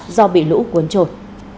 do bị lũ cuốn trôi